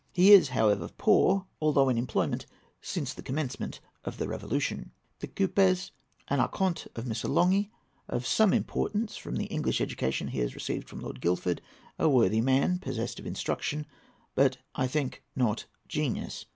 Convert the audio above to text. He is, however, poor, although in employment since the commencement of the Revolution. THIKOUPES.—An Archonte of Missolonghi; of some importance from the English education he has received from Lord Guildford; a worthy man, possessed of instruction, but, I think, not genius.